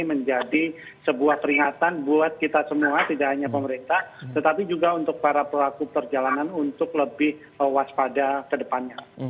menjadi sebuah peringatan buat kita semua tidak hanya pemerintah tetapi juga untuk para pelaku perjalanan untuk lebih waspada ke depannya